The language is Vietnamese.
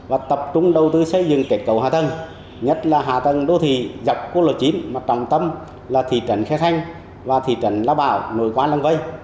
và tập trung đầu tư xây dựng kết cầu hạ tầng nhất là hạ tầng đô thị dọc quốc lộ chín mà trọng tâm là thị trấn khe xanh và thị trấn lá bảo nổi qua lăng vây